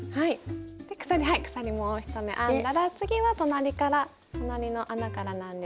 鎖もう一目編んだら次は隣から隣の穴からなんですけれども。